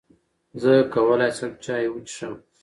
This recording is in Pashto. زۀ کولای شم چای وڅښم؟